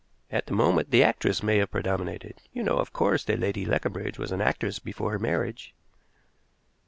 At the moment the actress may have predominated. You know, of course, that Lady Leconbridge was an actress before her marriage?"